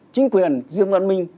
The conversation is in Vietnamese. chính quyền riêng đoàn minh